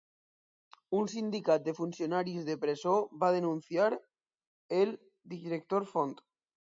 Un sindicat de funcionaris de presó va denunciar el director Font.